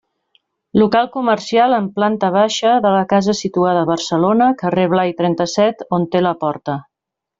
Local comercial en planta baixa de la casa situada a Barcelona, carrer Blai trenta-set, on té la porta.